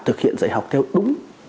thực hiện dạy học theo đúng